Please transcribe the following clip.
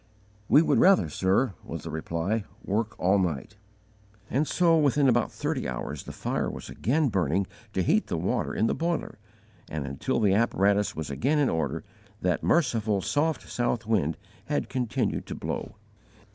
"We would rather, sir," was the reply, "work all night." And so, within about thirty hours, the fire was again burning to heat the water in the boiler; and, until the apparatus was again in order, that merciful soft south wind had continued to blow.